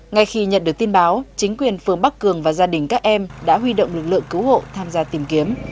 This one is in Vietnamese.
ngay khi nhận được tin báo chính quyền phường bắc cường và gia đình các em đã huy động lực lượng cứu hộ tham gia tìm kiếm